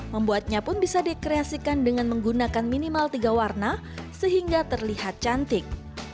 membuatnya pun bisa dikreasikan dengan menggunakan minimal tiga warna sehingga terlihat cantik